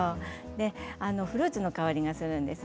フルーツの香りがするんです。